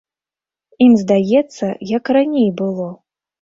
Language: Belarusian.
Ім здаецца, як раней было!